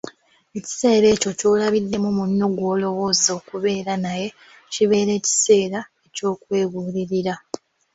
Ekiseera ekyo ky'olabiddemu munno gw'olowooza okubeera naye kibeere ekiseera eky'okwebuulirira.